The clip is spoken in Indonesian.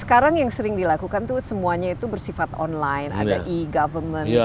sekarang yang sering dilakukan itu semuanya itu bersifat online ada egovernment ini ini dll